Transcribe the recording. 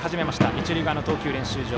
一塁側の投球練習場。